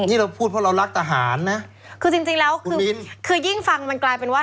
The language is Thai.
นี่เราพูดเพราะเรารักทหารนะคือจริงจริงแล้วคือคือยิ่งฟังมันกลายเป็นว่า